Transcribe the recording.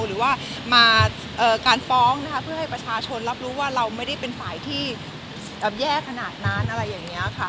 หรือว่ามาการฟ้องนะคะเพื่อให้ประชาชนรับรู้ว่าเราไม่ได้เป็นฝ่ายที่แย่ขนาดนั้นอะไรอย่างนี้ค่ะ